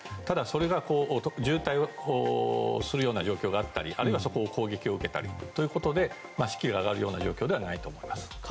ただ、それが渋滞するような状況があったり、あるいはそこを攻撃を受けたりということで士気が上がるような状況ではないと思います。